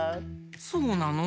そうなの？